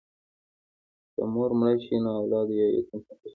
که مور مړه شي نو اولاد یې یتیم پاتې کېږي.